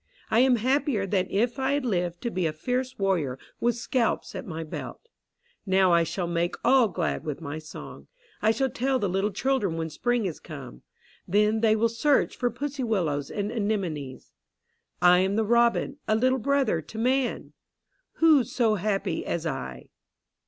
I am happier than if I had lived to be a fierce warrior, with scalps at my belt. Now I shall make all glad with my song. I shall tell the little children when spring has come. Then they will search for pussy willows and anemones. I am the robin, a little brother to man! Who so happy as I?"